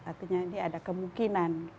artinya ini ada kemungkinan